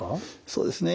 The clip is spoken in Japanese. そうですね。